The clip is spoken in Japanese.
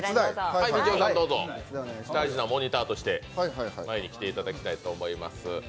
大事なモニターとして前に来ていただきたいと思います。